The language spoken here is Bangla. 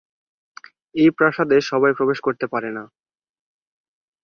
এই প্রাসাদে সবাই প্রবেশ করতে পারে না।